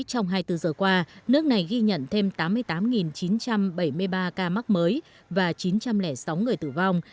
trong hai mươi bốn giờ qua nước này ghi nhận thêm tám mươi tám chín trăm bảy mươi ba ca mắc mới và chín trăm linh sáu người tử vong